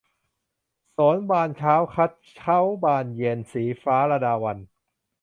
โสนบานเช้าคัดเค้าบานเย็น - ศรีฟ้า ลดาวัลย์